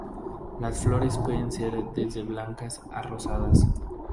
Las flores pueden ser desde blancas a rosadas.